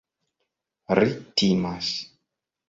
Ri timas.